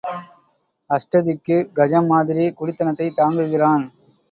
அஷ்டதிக்குக் கஜம் மாதிரி குடித்தனத்தைத் தாங்குகிறான்.